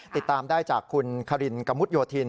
ติดตามได้จากคุณคารินกะมุดโยธิน